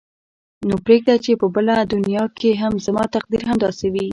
نو پرېږده چې په بله دنیا کې هم زما تقدیر همداسې وي.